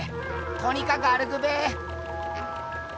とにかく歩くべ。